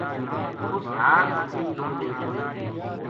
اس ہاڑ بکری رُڑ گئی